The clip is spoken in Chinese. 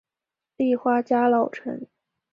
立花家老臣。